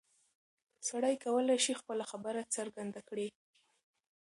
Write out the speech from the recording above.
سړی کولی شي خپله خبره څرګنده کړي.